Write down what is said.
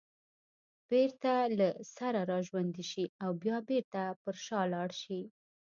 بېرته له سره راژوندي شي او بیا بېرته پر شا لاړ شي